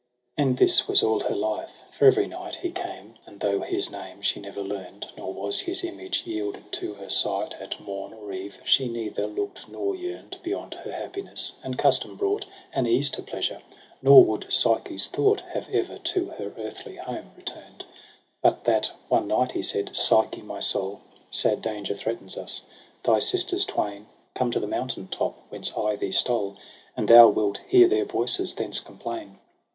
MAY lof 24. And this was all her life 5 for every night He came, and though his name she never learn'd, Nor was his image yielded to her sight At morn or eve, she neither look'd nor yearn'd Beyond her happiness : and custom brought An ease to pleasure 5 nor would Psyche's thought Have ever to her earthly home return'd, if But that one night he said ' Psyche, my soul, Sad danger threatens us : thy sisters twain Come to the mountain top, whence I thee stole. And thou wilt hear their voices thence complain.